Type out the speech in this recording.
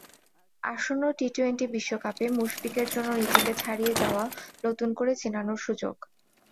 আসন্ন টি-টোয়েন্টি বিশ্বকাপে মুশফিকের জন্য নিজেকে ছাড়িয়ে যাওয়া, নতুন করে চেনানোর সুযোগ।